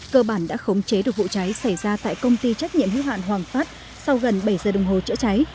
cơ bản đã khống chế được vụ cháy xảy ra tại công ty trách nhiệm hữu hạn hoàng phát sau gần bảy giờ đồng hồ chữa cháy